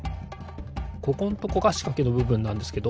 ここんとこがしかけのぶぶんなんですけど